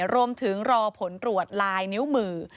รอผลตรวจลายนิ้วมือ